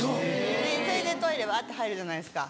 でそれでトイレわっと入るじゃないですか。